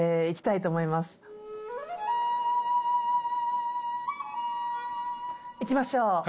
いきましょう。